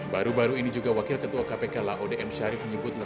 baru baru ini juga wakil ketua kpk laodem syarif menyebut lembaga